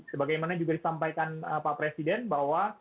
sebagaimana juga disampaikan pak presiden bahwa